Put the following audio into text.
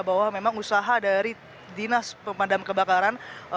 bahwa memang usaha dari dinas pemadam kebakaran